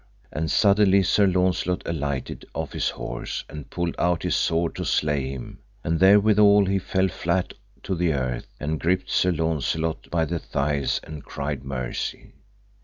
And suddenly Sir Launcelot alighted off his horse, and pulled out his sword to slay him, and therewithal he fell flat to the earth, and gripped Sir Launcelot by the thighs, and cried mercy.